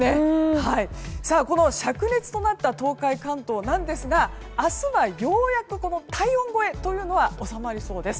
この灼熱となった東海、関東なんですが明日はようやく体温超えは収まりそうです。